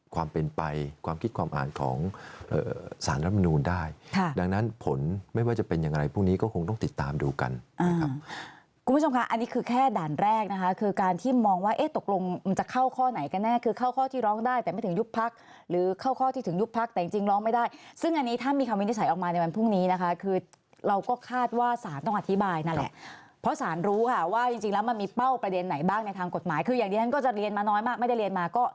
ความเป็นไปความคิดความอ่านของเอ่อสารรับมนุนได้ค่ะดังนั้นผลไม่ว่าจะเป็นอย่างไรพวกนี้ก็คงต้องติดตามดูกันอืมคุณผู้ชมคะอันนี้คือแค่ด่านแรกนะคะคือการที่มองว่าเอ๊ะตกลงมันจะเข้าข้อไหนกันแน่คือเข้าข้อที่ร้องได้แต่ไม่ถึงยุบพรรคหรือเข้าข้อที่ถึงยุบพรรคแต่จริงร้องไม่ได้ซึ่งอันนี้ถ้ามี